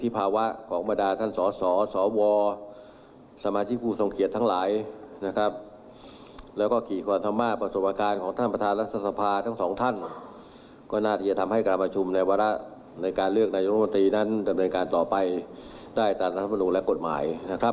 ผมต้องแค่นอกว่าวันการต่อไปได้ตามลักษณะบนหนุนและกฎหมาย